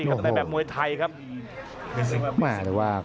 อัศวินาศาสตร์